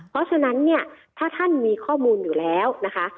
เพราะฉะนั้นเนี่ยถ้าท่านมีข้อมูลอยู่แล้วนะคะ